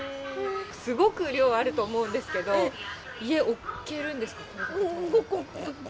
すごく量あると思うんですけど、家、置けるんですか。